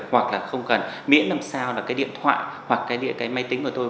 hoặc là không cần miễn năm sao là cái điện thoại hoặc cái máy tính của tôi